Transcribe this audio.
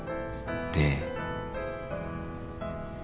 で。